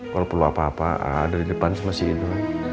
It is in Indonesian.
kalau perlu apa apa ada di depan masih hidup